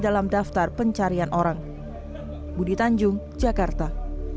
dalam daftar pencarian orang budi tanjung jakarta